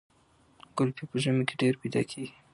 ګلپي په ژمي کې ډیر پیدا کیږي.